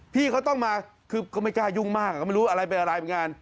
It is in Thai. พี่เขาต้องมาคือก็ไม่กล้ายุ่งมากก็ไม่รู้อะไรเป็นอะไรเหมือนกัน